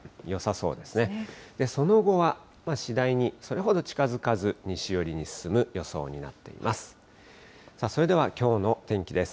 その後は次第に、それほど近づかず、西寄りに進む予想になっています。